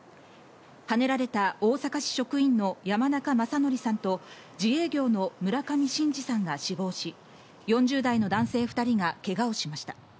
はねられた大阪市職員の山中正規さんと自営業の村上伸治さんが死亡し、４０代の男性２人がけがをしました。